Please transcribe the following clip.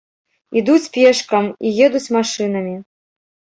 Ідуць пешкам і едуць машынамі.